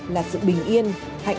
là sự bình yên hạnh phúc của gia đình